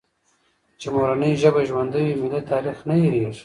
چي مورنۍ ژبه ژوندۍ وي، ملي تاریخ نه هېرېږي.